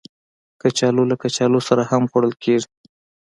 کچالو له کچالو سره هم خوړل کېږي